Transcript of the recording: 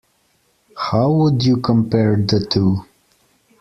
How would you compare the two?